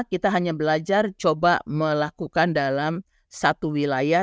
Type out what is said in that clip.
kita hanya belajar coba melakukan dalam satu wilayah